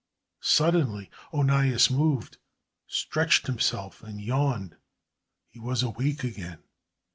Suddenly, Onias moved, stretched himself and yawned. He was awake again.